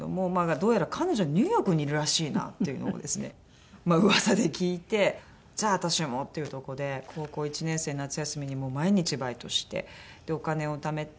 どうやら彼女はニューヨークにいるらしいなというのをですね噂で聞いてじゃあ私もっていうとこで高校１年生の夏休みにもう毎日バイトしてお金をためて。